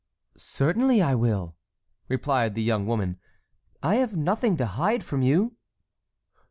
"Certainly I will," replied the young woman, "I have nothing to hide from you."